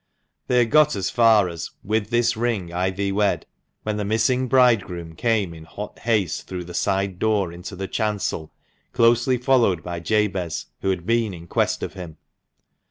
They had got as far as "With this ring I thee wed," when the missing bridegroom came in hot haste through the side door into the chancel, closely followed by Jabez, who had been in quest of him.